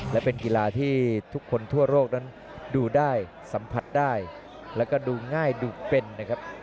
และเป็นกีฬาที่ทุกคนทั่วโลกนั้นดูได้สัมผัสได้แล้วก็ดูง่ายดูเป็นนะครับ